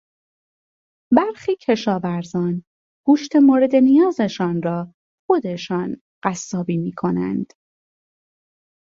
برخی کشاورزان گوشت مورد نیازشان را خودشان قصابی میکنند.